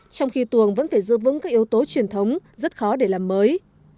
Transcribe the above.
trong khi tuồng vẫn phải giữ vững các yếu tố truyền thống rất khó để làm mới